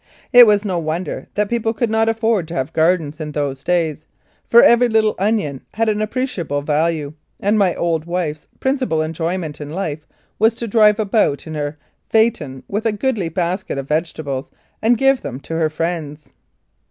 It was no wonder that people could not afford to have gardens in those days, for every little onion had an appreciable value, and my old wife's prin cipal enjoyment in life was to drive about in her phaeton with a goodly basket of vegetables and give them to her friends.